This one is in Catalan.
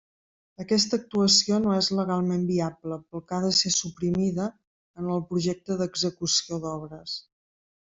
Aquesta actuació no és legalment viable pel que ha de ser suprimida en el projecte d'execució d'obres.